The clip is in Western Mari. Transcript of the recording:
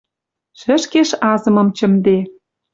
Шӹшкеш азымым чӹмде